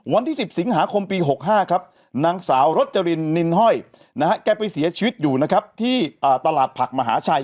วันที่๑๐สิงหาคมปี๖๕ครับนางสาวรจรินนินห้อยนะฮะแกไปเสียชีวิตอยู่นะครับที่ตลาดผักมหาชัย